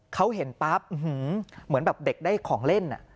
เขาเห็นปั๊บเหมือนแบบเด็กได้ของเล่น